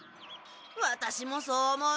ワタシもそう思う。